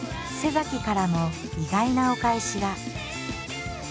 からも意外なお返しが。